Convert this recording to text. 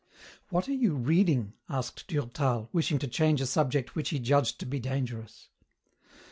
"What are you reading?" asked Durtal, wishing to change a subject which he judged to be dangerous.